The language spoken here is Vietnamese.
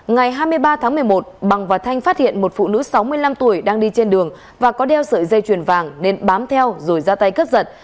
ngày hai mươi ba tháng một mươi một bằng và thanh phát hiện một phụ nữ sáu mươi năm tuổi đang đi trên đường và có đeo sợi dây chuyền vàng nên bám theo rồi ra tay cướp giật